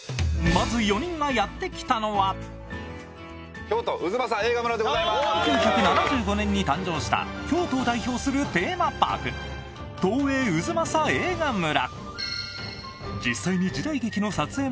まず４人がやってきたのは１９７５年に誕生した京都を代表するテーマパーク、東映太秦映画村。